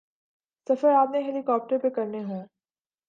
سفر آپ نے ہیلی کاپٹر پہ کرنے ہوں۔